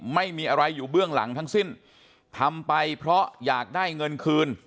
ไม่มีอะไรอยู่เบื้องหลังทั้งสิ้นทำไปเพราะอยากได้เงินคืน